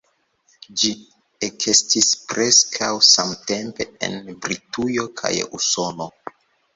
Ĝi ekestis preskaŭ samtempe en Britujo kaj Usono.